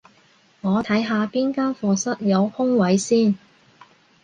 我睇下邊間課室有空位先